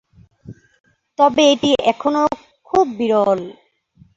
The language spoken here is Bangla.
তবে এটি এখনও খুব বিরল।